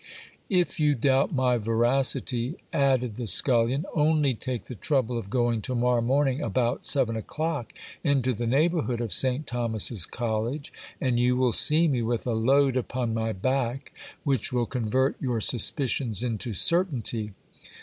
If you doubt my veracity, added the scullion, only take the trouble of going to morrow morning about seven o'clock into the neighbourhood of St Thomas's college, and you will see me with a load upon my back, which will convert your suspicions into certainty.